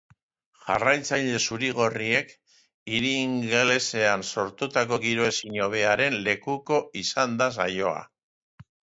Jarraitzaile zuri-gorriek hiri ingelesean sortutako giro ezin hobearen lekuko izan da saioa.